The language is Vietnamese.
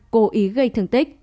cố ý gây thương tích